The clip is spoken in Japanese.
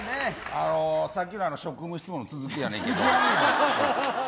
さっきの職務質問の続きやねんけど。